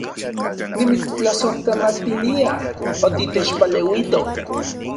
Nimitstlasojkamatilia otitechpaleuito